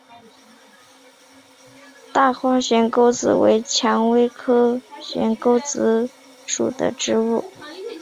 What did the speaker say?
大花悬钩子为蔷薇科悬钩子属的植物。